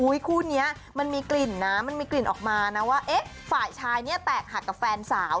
คู่นี้มันมีกลิ่นนะมันมีกลิ่นออกมานะว่าเอ๊ะฝ่ายชายเนี่ยแตกหักกับแฟนสาว